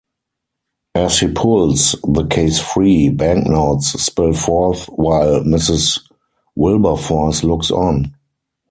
As he pulls the case free, banknotes spill forth while Mrs. Wilberforce looks on.